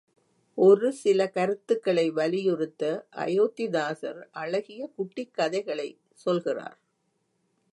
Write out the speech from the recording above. ஒரு சில கருத்துகளை வலியுறுத்த அயோத்திதாசர் அழகிய குட்டிக் கதைகளைச் சொல்கிறார்.